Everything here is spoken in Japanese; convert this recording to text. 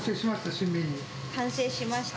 新完成しました。